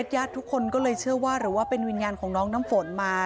ญาติทุกคนก็เลยเชื่อว่าหรือว่าเป็นวิญญาณของน้องน้ำฝนมา